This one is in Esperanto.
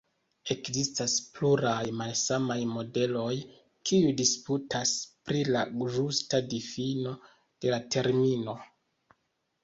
Ekzistas pluraj malsamaj modeloj kiuj disputas pri la ĝusta difino de la termino.